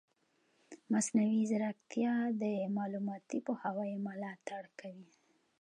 مصنوعي ځیرکتیا د معلوماتي پوهاوي ملاتړ کوي.